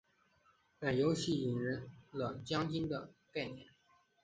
本游戏引人了将军的概念。